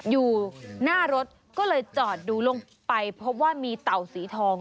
อยู่หน้ารถก็เลยจอดดูลงไปพบว่ามีเต่าสีทอง